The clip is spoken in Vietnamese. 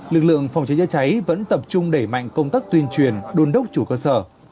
lực lượng phòng chữa cháy vẫn tập trung đẩy mạnh công tắc tuyên truyền đôn đốc chủ cơ sở